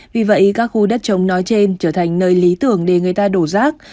vì vậy các khu đất chống nói trên trở thành nơi lý tưởng để người ta đổ rác